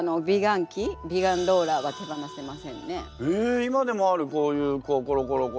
今でもあるこういうこうコロコロコロ。